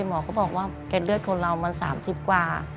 หมอก็บอกว่าเป็นเลือดคนเรามัน๓๐กว่า